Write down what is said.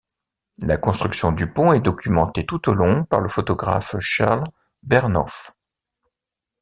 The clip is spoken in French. La construction du pont est documentée tout au long par le photographe Charles Bernhoeft.